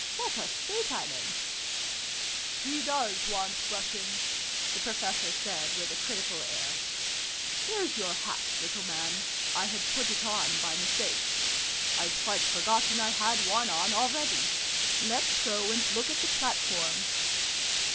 What a state I'm in !"" He does want brushing !" the Professor said, with a critical air, " Here's your hat, little man! I had put it on by mistake. I'd quite forgotten I had one on, already. Let's go and look at the platform."